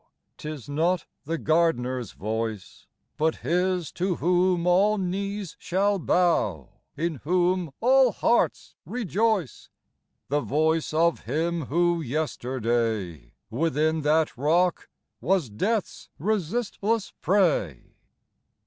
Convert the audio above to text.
" 'Tis not the gardener's voice, But His to whom all knees shall bow, In whom all hearts rejoice ; The voice of Him who yesterday Within that rock was Death's resistless prey.